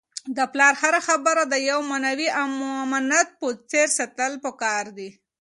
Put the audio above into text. د پلار هره خبره د یو معنوي امانت په څېر ساتل پکار دي.